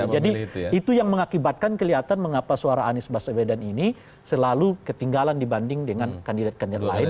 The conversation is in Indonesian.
jadi itu yang mengakibatkan kelihatan mengapa suara anis bahasa beda ini selalu ketinggalan dibanding dengan kandidat kandidat lain